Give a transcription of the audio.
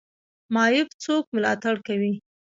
معیوب څوک ملاتړ کوي؟